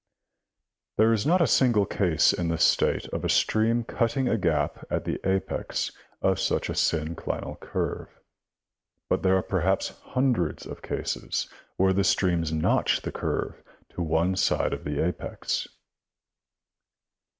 There is not a single case in the state of a stream cutting a gap at the apex of such a synclinal curve, but there are perhaps hun dreds of cases where the streams notch the curve to one side of the apex.